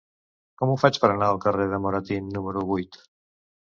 Com ho faig per anar al carrer de Moratín número vuit?